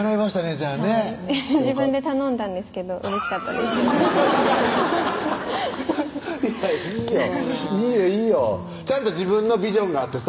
じゃあねはい自分で頼んだんですけどうれしかったですいやいいよいいよいいよちゃんと自分のビジョンがあってさ